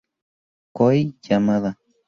Kohei Yamada